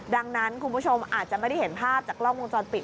ดังนั้นคุณผู้ชมอาจจะไม่ได้เห็นภาพจากกล้องวงจรปิด